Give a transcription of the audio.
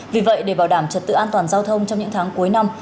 vì vậy để bảo đảm trật tự an toàn giao thông trong những tháng cuối năm